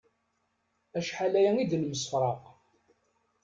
Acḥal aya i d-nemsefraq.